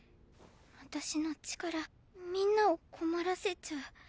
私の力皆を困らせちゃう。